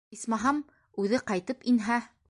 Исмаһам, үҙе ҡайтып инһә!